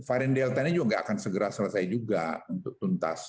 varian delta ini juga nggak akan segera selesai juga untuk tuntas